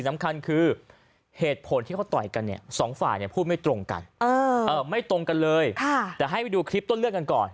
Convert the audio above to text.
ไม่ตรงกันเลยแต่ให้ไปดูคลิปต้นเลือกกันก่อน